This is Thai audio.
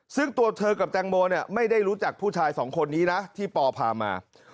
ซึ่งตัวเธอกับแตงโมเนี่ยไม่ได้รู้จักผู้ชายสองคนนี้นะที่ปอพามา